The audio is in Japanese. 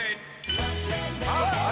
「あっ！」